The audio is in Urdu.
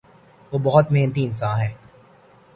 وہ بہت محنتی انسان ہے۔